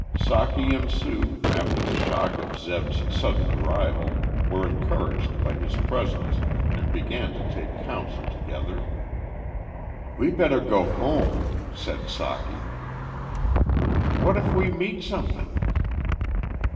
Socky and Sue, after the shock of Zeb's sudden arrival, were encouraged by his presence and began to take counsel together. "We better go home," said Socky. "What if we meet something?"